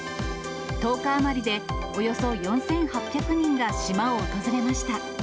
１０日余りでおよそ４８００人が島を訪れました。